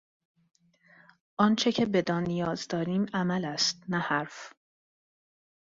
آنچه که بدان نیاز داریم عمل است، نه حرف.